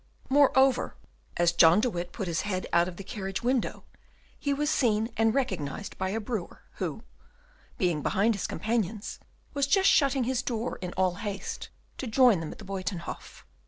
Moreover, as John de Witt put his head out of the carriage window, he was seen and recognized by a brewer, who, being behind his companions, was just shutting his door in all haste to join them at the Buytenhof.